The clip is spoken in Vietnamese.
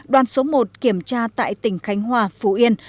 đoàn số một kiểm tra tại tỉnh khánh hòa phú yên